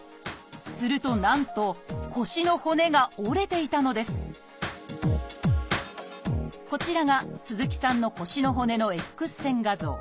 するとなんと腰の骨が折れていたのですこちらが鈴木さんの腰の骨のＸ線画像。